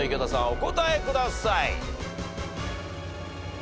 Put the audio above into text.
お答えください。